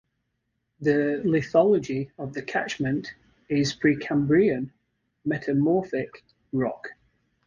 The lithology of the catchment is Precambrian metamorphic rock.